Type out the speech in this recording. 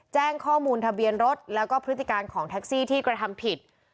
แจ้งข้อมูลทะเบียนรถแล้วก็พฤติการของแท็กซี่ที่กระทำผิด